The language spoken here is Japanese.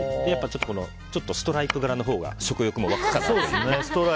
ちょっとストライプ柄のほうが食欲も湧くかなと。